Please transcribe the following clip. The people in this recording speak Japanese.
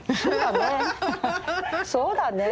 そうだねえ。